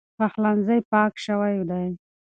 پخلنځی پاک شوی دی.